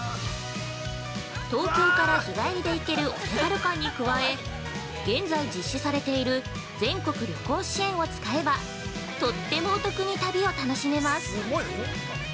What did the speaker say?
東京から日帰りで行けるお手軽感に加え、現在実施されている全国旅行支援を使えば、とってもお得に旅を楽しめます。